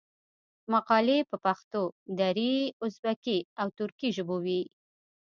مقالي په پښتو، دري، ازبکي او ترکي ژبو وې.